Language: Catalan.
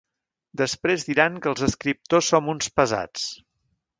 Després diran que els escriptors som uns pesats.